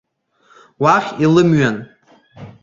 Уахь илымҩан!